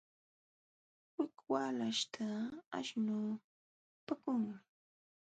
Wik walaśhta aśhnu nipaakunmi.